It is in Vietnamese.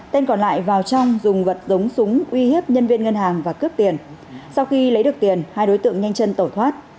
tên còn lại vào trong dùng vật giống súng uy hiếp nhân viên ngân hàng và cướp tiền sau khi lấy được tiền hai đối tượng nhanh chân tẩu thoát